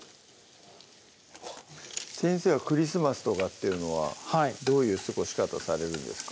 先生はクリスマスとかっていうのはどういう過ごし方されるんですか？